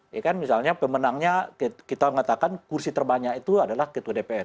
ya kan misalnya pemenangnya kita mengatakan kursi terbanyak itu adalah ketua dpr